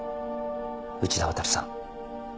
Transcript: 内田亘さん。